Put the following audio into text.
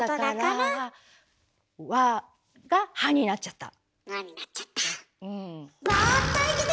「わ」が「は」になっちゃった。